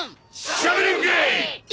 しゃべるんかいッ！